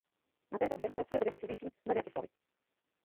Na této hře pracuje divize sídlící ve Vratislavi.